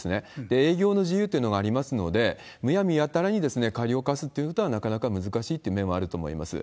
営業の自由というのがありますので、むやみやたらに過料を科すということはなかなか難しいという面はあると思います。